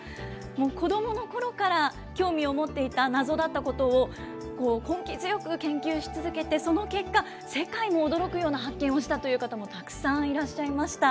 子どものころから興味を持っていた謎だったことを、根気強く研究し続けて、その結果、世界も驚くような発見をしたという方もたくさんいらっしゃいました。